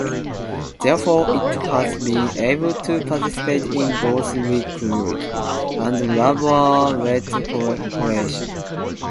Therefore, it has been able to participate in both Likud- and Labour-led coalitions.